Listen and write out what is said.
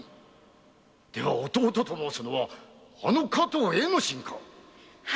では弟と申すのはあの加東栄之進か。